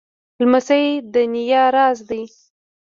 لمسی د نیا راز دی.